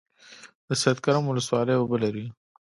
د سید کرم ولسوالۍ اوبه لري